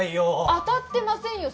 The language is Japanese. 当たってませんよ